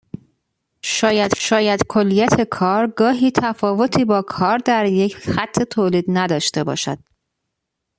شاید کلیت کار گاهی تفاوتی با کار در یک خط تولید نداشته باشه.